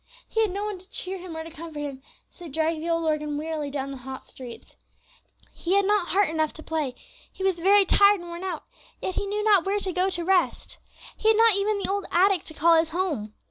He had no one to cheer him or to comfort him; so he dragged the old organ wearily down the hot streets. He had not heart enough to play, he was very tired and worn out; yet he knew not where to go to rest. He had not even the old attic to call his home.